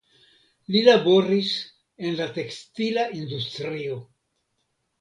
Li laboris en la tekstila industrio.